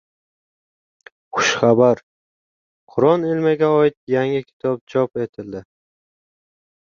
Xushxabar: Qur’on ilmiga oid yangi kitob chop etildi